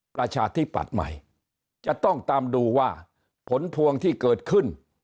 ประชาธิปัตย์ใหม่จะต้องตามดูว่าผลพวงที่เกิดขึ้น